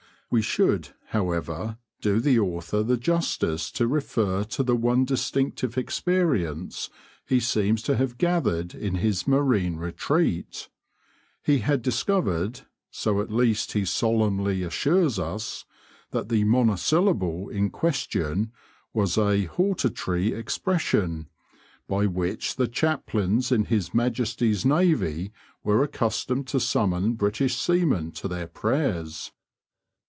We should, however, do the author the justice to refer to the one distinctive experience he seems to have gathered in his marine retreat. He had discovered, so at least he solemnly assures us, that the monosyllable in question was a "hortatory expression" by which the chaplains in His Majesty's navy were accustomed to summon British seamen to their prayers.